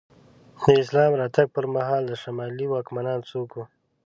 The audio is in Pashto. د اسلام راتګ پر مهال د شمالي واکمنان څوک وو؟